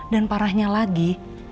dan parahnya lagi